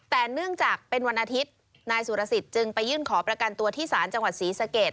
แต่เนื่องจากเป็นวันอาทิตย์นายสุรสิทธิ์จึงไปยื่นขอประกันตัวที่ศาลจังหวัดศรีสะเกด